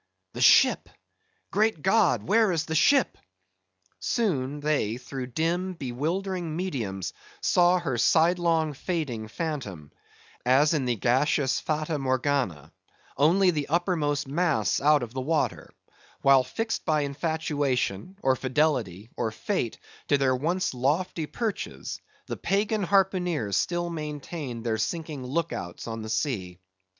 "The ship? Great God, where is the ship?" Soon they through dim, bewildering mediums saw her sidelong fading phantom, as in the gaseous Fata Morgana; only the uppermost masts out of water; while fixed by infatuation, or fidelity, or fate, to their once lofty perches, the pagan harpooneers still maintained their sinking lookouts on the sea.